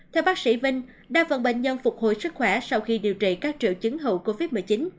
theo bác sĩ vinh đa phần bệnh nhân phục hồi sức khỏe sau khi điều trị các triệu chứng hậu covid một mươi chín